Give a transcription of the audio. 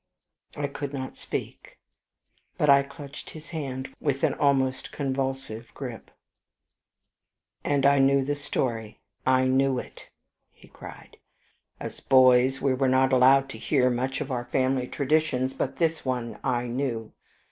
I could not speak, but I clutched his hand with an almost convulsive grip. "And I knew the story, I knew it!" he cried. "As boys we were not allowed to hear much of our family traditions, but this one I knew.